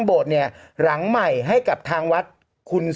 โอเคโอเคโอเคโอเคโอเค